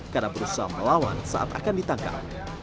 karena berusaha melawan saat ditangkap